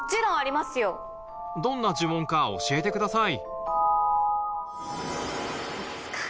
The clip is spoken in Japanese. どんな呪文か教えてください